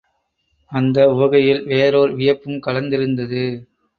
அந்த உவகையில் வேறோர் வியப்பும் கலந்திருந்தது.